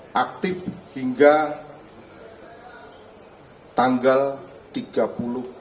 dengan nomor yang tersebut